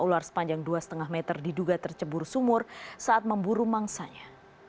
ular sepanjang dua lima meter diduga tercebur sumur saat memburu mangsanya